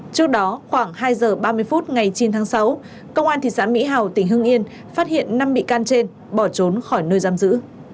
trước đó khoảng hai giờ ba mươi phút ngày chín tháng sáu công an thị xã mỹ hào tỉnh hưng yên phát hiện năm bị can trên bỏ trốn khỏi nơi giam giữ